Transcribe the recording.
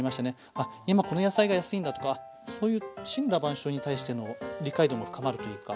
あ今この野菜が安いんだとかそういう森羅万象に対しての理解度も深まるというか。